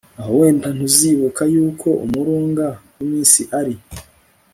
aho wenda ntuzibuka yuko umurunga w'iminsi ari